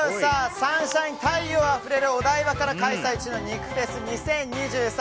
サンシャイン、太陽あふれるお台場から開催中の肉フェス２０２３